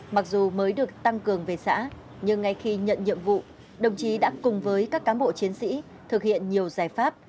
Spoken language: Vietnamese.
mặc dù mới được tăng cường về xã nhưng ngay khi nhận nhiệm vụ đồng chí đã cùng với các cám bộ chiến sĩ thực hiện nhiều giải pháp